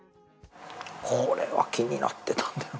これは気になってたんだよ。